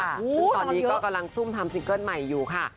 ซึ่งตอนนี้ก็กำลังซุ่มทำซิงเกิ้ลใหม่อยู่ค่ะ